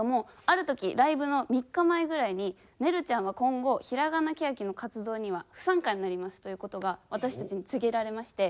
ある時ライブの３日前ぐらいにねるちゃんは今後ひらがなけやきの活動には不参加になりますという事が私たちに告げられまして。